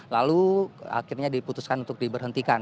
lalu akhirnya diputuskan untuk diberhentikan